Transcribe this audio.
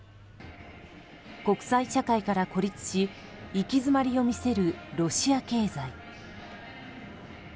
国際社会から孤立し行き詰まりを見せるロシア経済。